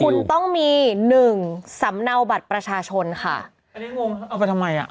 คุณต้องมีหนึ่งสำเนาบัตรประชาชนค่ะอันนี้งงเอาไปทำไมอ่ะ